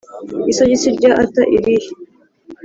isogisi rya arthur irihe?